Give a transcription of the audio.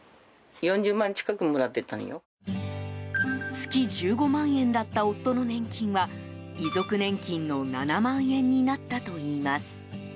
月１５万円だった夫の年金は遺族年金の７万円になったといいます。